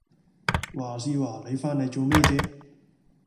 話時話你返嚟做咩啫？